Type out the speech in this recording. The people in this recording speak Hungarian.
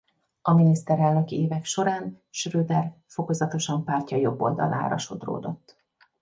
A miniszterelnöki évek során Schröder fokozatosan pártja jobboldalára sodródott.